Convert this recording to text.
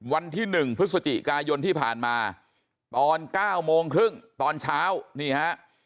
วันที่๑พฤศจิกายนที่ผ่านมาตอน๙โมงครึ่งตอนเช้านี่ฮะ